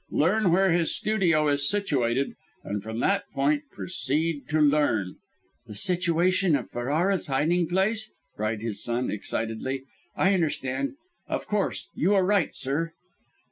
Learn where his studio is situated, and, from that point, proceed to learn " "The situation of Ferrara's hiding place?" cried his son, excitedly. "I understand! Of course; you are right, sir."